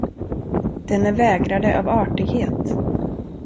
Denne vägrade av artighet.